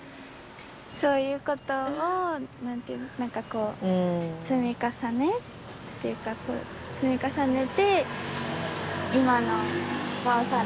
そういうことを何て言うなんかこう積み重ねっていうか真矢ちゃんもね